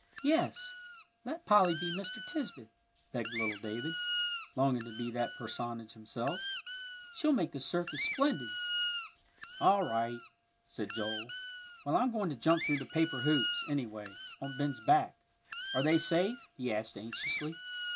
"Yes, let Polly be Mr. Tisbett," begged little David, longing to be that personage himself. "She'll make the circus splendid." "All right," said Joel. "Well, I'm going to jump through the paper hoops, anyway, on Ben's back. Are they safe?" he asked anxiously.